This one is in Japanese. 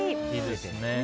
いいですね。